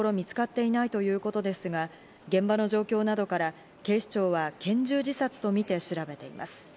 遺書は今のところ見つかっていないということですが、現場の状況などから警視庁は拳銃自殺とみて調べています。